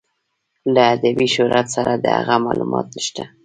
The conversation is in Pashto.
له ادبي شهرت سره د هغه معلومات نشته.